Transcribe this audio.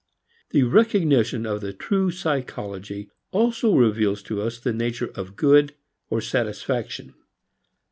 The recognition of the true psychology also reveals to us the nature of good or satisfaction.